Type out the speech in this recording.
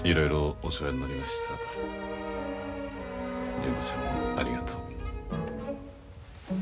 純子ちゃんもありがとう。